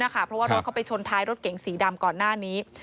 เพราะว่ารถเขาไปชนท้ายรถเก๋งสีดำก่อนหน้านี้